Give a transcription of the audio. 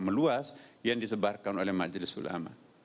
meluas yang disebarkan oleh majelis ulama